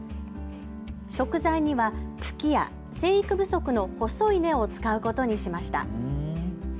食材には茎や生育不足の細い根を使うことにしました。